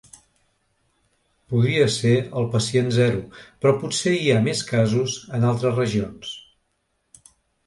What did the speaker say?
Podria ser el pacient zero, però potser hi ha més casos en altres regions.